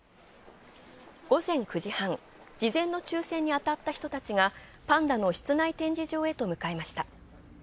午前９時半、事前の抽選に当たった人たちがパンダの室内展示場へ向かいました。